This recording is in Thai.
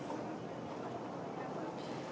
สวัสดีครับ